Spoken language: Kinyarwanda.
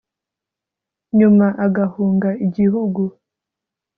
nyuma agahunga igihugu